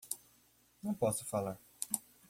Não posso falar